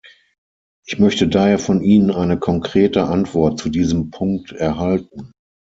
Ich möchte daher von Ihnen eine konkrete Antwort zu diesem Punkt erhalten.